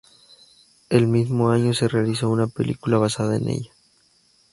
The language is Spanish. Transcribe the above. El mismo año se realizó una película basada en ella.